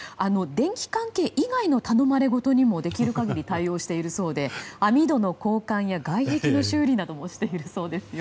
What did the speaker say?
電器関係以外の頼まれごとにもできる限り対応しているそうで網戸の交換や外壁の修理もしているそうですよ。